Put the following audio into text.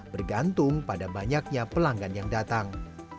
bergantung pada banyaknya pelanggan yang datang